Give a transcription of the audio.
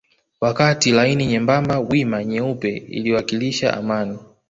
Wakati laini nyembamba wima nyeupe iliwakilisha amani